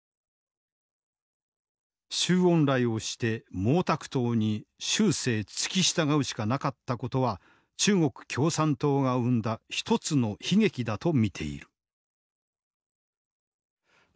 周恩来をして毛沢東に終生付き従うしかなかったことは中国共産党が生んだ一つの悲劇だと見ている。